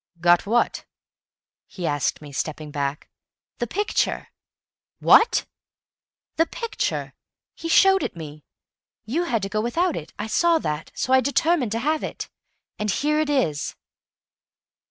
"Got what?" he asked me, stepping back. "The picture!" "WHAT?" "The picture. He showed it me. You had to go without it; I saw that. So I determined to have it. And here it is."